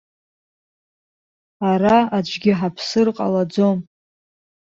Ара аӡәгьы ҳаԥсыр ҟалаӡом.